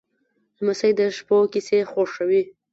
لمسی د شپو کیسې خوښوي.